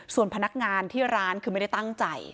ส่วนพนักงานที่ร้านคือไม่ได้ตั้งใจ